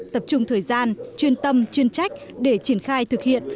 tập trung thời gian chuyên tâm chuyên trách để triển khai thực hiện